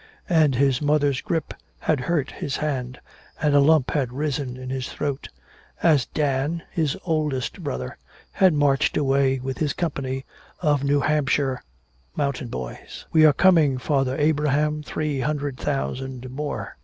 And his mother's grip had hurt his hand, and a lump had risen in his throat as Dan, his oldest brother, had marched away with his company of New Hampshire mountain boys. "We are coming, Father Abraham, three hundred thousand more."